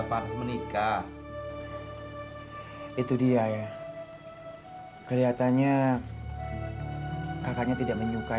sampai jumpa di video selanjutnya